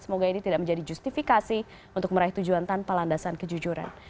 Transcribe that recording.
semoga ini tidak menjadi justifikasi untuk meraih tujuan tanpa landasan kejujuran